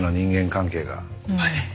はい。